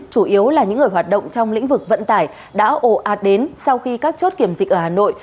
chủ yếu là những người hoạt động trong lĩnh vực vận tải đã ồ ạt đến sau khi các chốt kiểm dịch ở hà nội